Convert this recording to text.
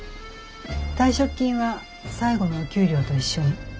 退職金は最後のお給料と一緒に。